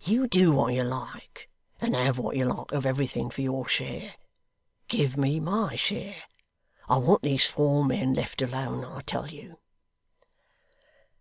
You do what you like, and have what you like of everything for your share, give me my share. I want these four men left alone, I tell you!